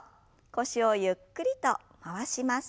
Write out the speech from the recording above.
腰をゆっくりと回します。